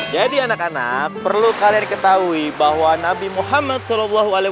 jadi anak anak perlu kalian ketahui bahwa nabi muhammad saw itu beliau adalah seorang